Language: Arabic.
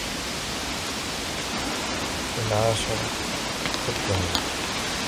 إنْ عَاشَ كَدَّنِي